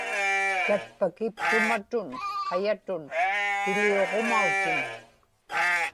tatpakiptumatun qayatun piliuġumautin